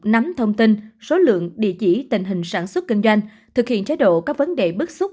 nắm thông tin số lượng địa chỉ tình hình sản xuất kinh doanh thực hiện chế độ các vấn đề bức xúc